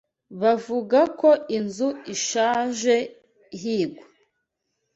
Bavuga ko inzu ishaje ihigwa.